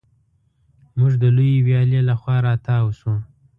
موږ د لویې ویالې له خوا را تاو شوو.